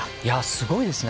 すごいですね。